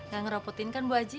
gak ngeraputin kan bu haji